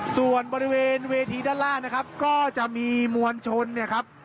ส่วนบริเวณเวทีด้านล่างนะครับก็จะมีมวลชนเนี่ยครับ